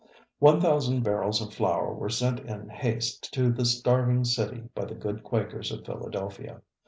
1,000 barrels of flour were sent in haste to the starving city by the good Quakers of Philadelphia.